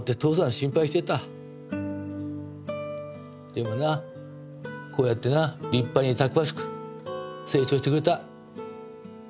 でもなこうやってな立派にたくましく成長してくれた。